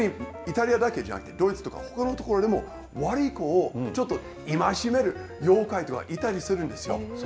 ちなみに、イタリアだけじゃなくドイツとかほかの所でも、悪い気をちょっと戒める妖怪、いたりするんですよ。